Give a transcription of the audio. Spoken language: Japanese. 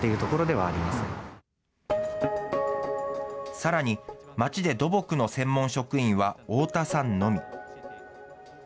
さらに、町で土木の専門職員は太田さんのみ。